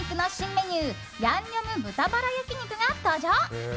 メニューヤンニョム豚バラ焼き肉が登場。